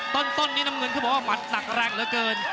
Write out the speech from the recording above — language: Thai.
ต้นนี้น้ำเงินเขาบอกว่าหมัดหนักแรงเหลือเกิน